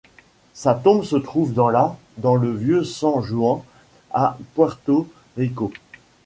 Sa tombe se trouve dans la dans le Vieux San Juan à Puerto Rico.